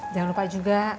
jangan lupa juga